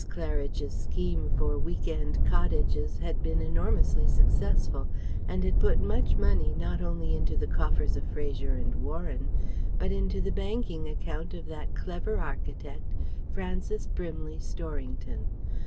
Claridge's scheme for week end cottages had been enormously successful and had put much money not only into the coffers of Fraser and Warren but into the banking account of that clever architect, Francis Brimley Storrington.